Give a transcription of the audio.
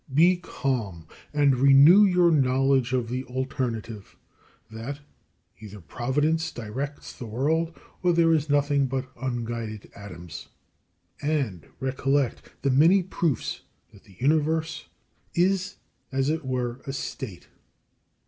Be calm, and renew your knowledge of the alternative, that "Either providence directs the world, or there is nothing but unguided atoms;" and recollect the many proofs that the Universe is as it were a state.